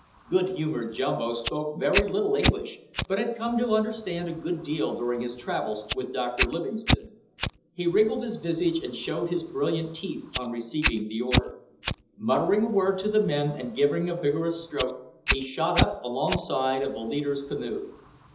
Good humoured Jumbo spoke very little English, but had come to understand a good deal during his travels with Dr Livingstone. He wrinkled his visage and showed his brilliant teeth on receiving the order. Muttering a word to the men, and giving a vigorous stroke, he shot up alongside of the leader's canoe.